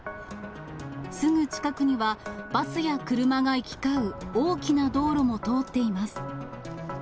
すぐ近くには、バスや車が行き交う大きな道路も通っています。